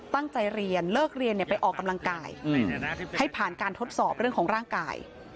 ตั้งใจเรียนเลิกเรียนไปออกกำลังกายให้ผ่านการทดสอบเรื่องของร่างกาย